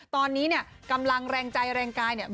ตอนนี้เนี่ยกำลังแรงใจแรงกายเนี่ย